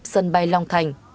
sân bay long thành